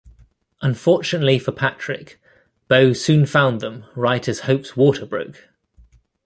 Unfortunately for Patrick, Bo soon found them right as Hope's water broke!